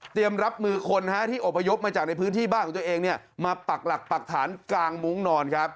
เตรียมรับมือคนที่อพยพมาจากในพื้นที่บ้านของตัวเองมาปรากฏปรักฐานกาลมุงนอนครับ